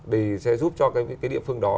thì sẽ giúp cho cái địa phương đó